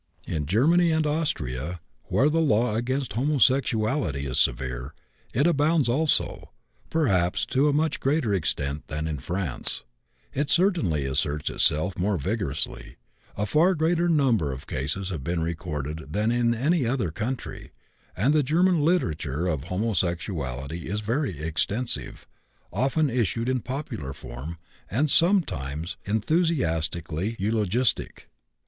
In Germany and Austria, where the law against homosexuality is severe, it abounds also, perhaps to a much greater extent than in France; it certainly asserts itself more vigorously; a far greater number of cases have been recorded than in any other country, and the German literature of homosexuality is very extensive, often issued in popular form, and sometimes enthusiastically eulogistic.